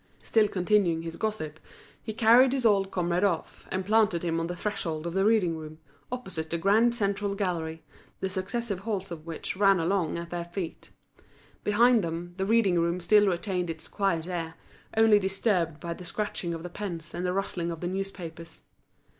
Still continuing his gossip, he carried his old comrade off, and planted him on the threshold of the reading room, opposite the grand central gallery, the successive halls of which ran along at their feet. Behind them, the reading room still retained its quiet air, only disturbed by the scratching of the pens and the rustling of the newspapers.